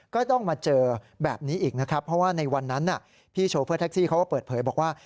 ก็ต้องมาเจอแบบนี้อีกนะครับเพราะว่าในวันนั้นพี่โชเฟอร์แท็กซี่เขาก็เปิดเผยบอกว่า